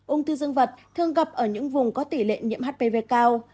úng thư dân vật thường gặp ở những vùng có tỷ lệ nhiễm hpv cao